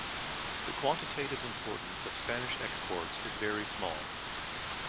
The quantitative importance of Spanish exports is very small.